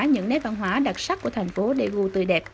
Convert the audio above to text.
những nét văn hóa đặc sắc của thành phố daegu tươi đẹp